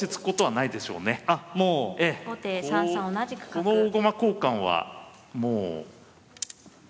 この大駒交換はもう。